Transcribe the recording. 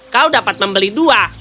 kau dapat membeli dua